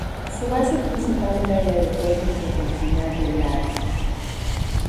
Su base principal era el Aeropuerto Internacional de Lárnaca.